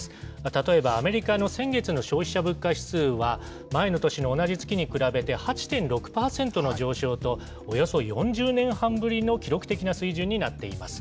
例えばアメリカの先月の消費者物価指数は、前の年の同じ月に比べて８．６％の上昇と、およそ４０年半ぶりの記録的な水準になっています。